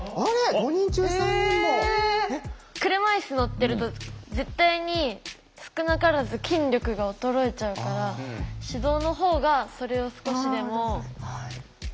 車いす乗ってると絶対に少なからず筋力が衰えちゃうから手動の方がそれを少しでも何て言うんだろう